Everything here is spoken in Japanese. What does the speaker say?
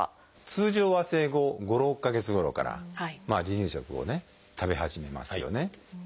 通常は生後５６か月ごろから離乳食を食べ始めますよね。